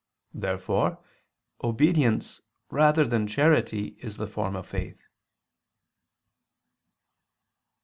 Therefore obedience rather than charity, is the form of faith.